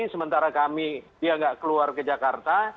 sementara kami dia nggak keluar ke jakarta